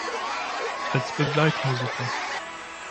Als Begleitmusiker